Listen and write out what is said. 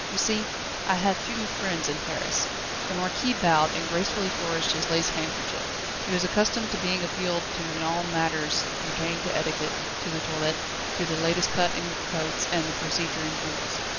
You see, I have few friends in Paris." The Marquis bowed, and gracefully flourished his lace handkerchief. He was accustomed to being appealed to in all matters pertaining to etiquette, to the toilet, to the latest cut in coats, and the procedure in duels.